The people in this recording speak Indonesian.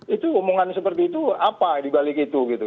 itu omongan seperti itu apa dibalik itu gitu